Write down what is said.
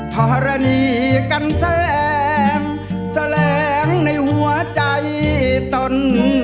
ธรณีกันแสงแสลงในหัวใจตน